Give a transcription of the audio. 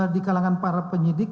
di kalangan para penyelidik